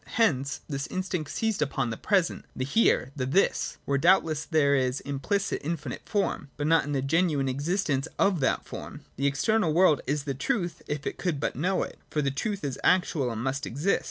Hence this instinct seized upon the present, the Here, the This, — where doubtless there is implicit infinite form, but not in the genuine mistence of that form. The external world is the truth, if it could but know it : for the truth is actual and must exist.